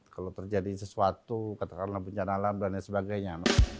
kalau terjadi sesuatu katakanlah bencana alam dan lain sebagainya